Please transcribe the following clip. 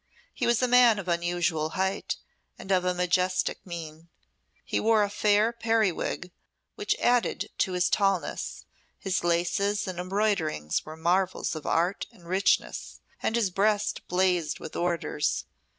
He was a man of unusual height and of a majestic mien; he wore a fair periwig, which added to his tallness; his laces and embroiderings were marvels of art and richness, and his breast blazed with orders.